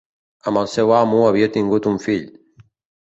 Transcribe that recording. Amb el seu amo havia tingut un fill.